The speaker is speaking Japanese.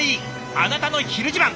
「あなたのひる自慢」。